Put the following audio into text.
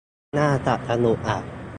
น่าจะสนุกอ่ะ